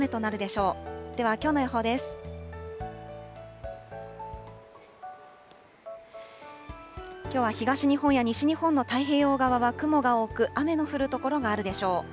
きょうは東日本や西日本の太平洋側は雲が多く、雨の降る所があるでしょう。